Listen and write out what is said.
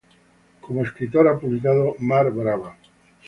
Como escritor ha publicado "Mar brava.